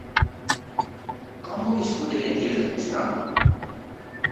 Com heu viscut aquests dies de festa?